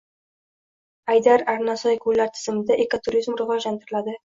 Aydar-Arnasoy ko‘llar tizimida ekoturizm rivojlantirilading